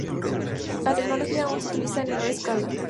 La tecnología aún se utiliza en menor escala.